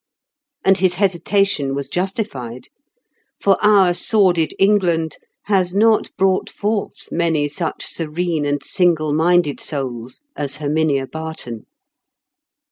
And his hesitation was justified; for our sordid England has not brought forth many such serene and single minded souls as Herminia Barton.